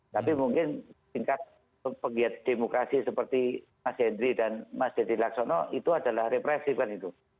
tapi mungkin tingkat pegiat demokrasi seperti mas hendri dan mas deddy laksono itu adalah represif kan itu